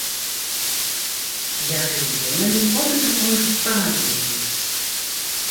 Hja wie in bern dat altyd har eigen paad gean moast.